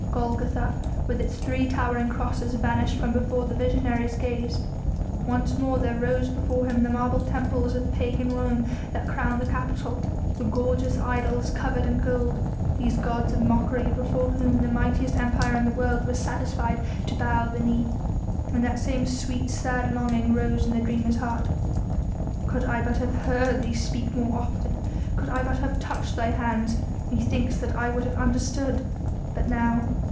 Golgotha, with its three towering crosses vanished from before the visionary's gaze. Once more there rose before him the marble temples of pagan Rome that crowned the Capitol the gorgeous idols covered in gold, these gods of mockery before whom the mightiest Empire in the world was satisfied to bow the knee. And that same sweet, sad longing rose in the dreamer's heart. "Could I but have heard Thee speak more often!... Could I but have touched Thy hands, methinks that I would have understood.... But now